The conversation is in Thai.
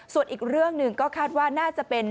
ส่วนอีกเรื่องหนึ่งก็คาดว่าน่าจะเป็น